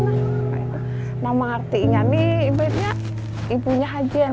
mah ngerti ini ibunya ibunya haji yang mengerti anak nina ini mana yang rasakan sakit nih yang